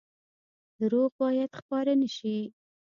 دروغ باید خپاره نشي